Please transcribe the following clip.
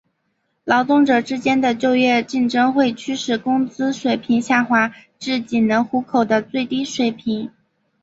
劳动者之间的就业竞争会驱使工资水平下滑至仅能糊口的最低水平。